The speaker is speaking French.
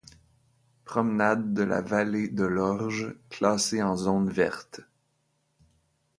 Promenade de la Vallée de l'Orge classée en zone verte.